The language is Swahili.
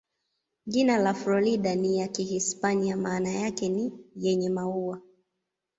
Jina la Florida ni ya Kihispania, maana yake ni "yenye maua".